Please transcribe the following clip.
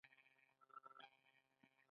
پښتو ژبې ته چوپړ وکړئ